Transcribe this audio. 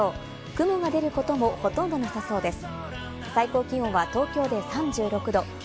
雲が出ることもほとんどなさそうです。